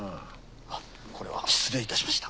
あっこれは失礼いたしました。